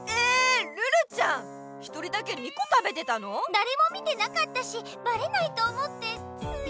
だれも見てなかったしバレないと思ってつい。